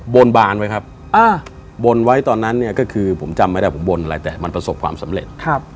บนบานไว้ครับบนไว้ตอนนั้นเนี่ยก็คือผมจำไม่ได้ผมบนอะไรแต่มันประสบความสำเร็จ